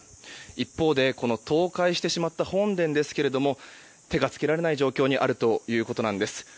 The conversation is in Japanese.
一方で、この倒壊してしまった本殿ですが手が付けられない状況にあるということです。